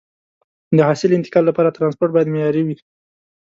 د حاصل انتقال لپاره ترانسپورت باید معیاري وي.